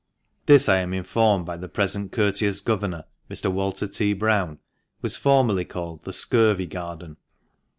This I am informed by the present courteous Governor, Mr. Walter T. Browne, was formerly called the Scurvy Garden.